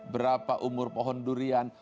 berapa umur pohon durian